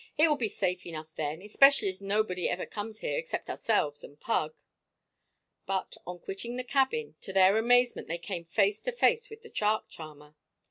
"It will be safe enough then, especially as nobody ever comes here except ourselves and Pug." But on quitting the cabin, to their amazement they came face to face with the shark charmer!